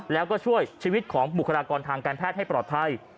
แล้วก็ช่วยชีวิตของบุคลากรทางการแพทย์ให้ปลอดภัย